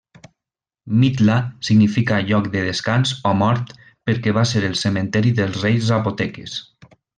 Mitla significa lloc de descans o mort perquè va ser el cementeri dels reis zapoteques.